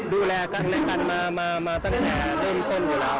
ดูแลกันในการมาตั้งแต่เล่นต้นอยู่แล้วครับ